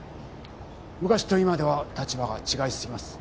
昔と今では立場が違いすぎます。